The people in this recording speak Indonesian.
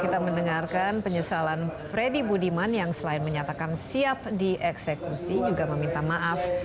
kita mendengarkan penyesalan freddy budiman yang selain menyatakan siap dieksekusi juga meminta maaf